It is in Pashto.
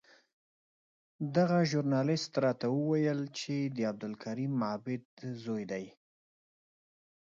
دغه ژورنالېست راته وویل چې د عبدالکریم عابد زوی دی.